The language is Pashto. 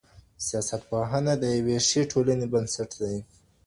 سیاستپوهنه د یوې ښې ټولنې بنسټ دی.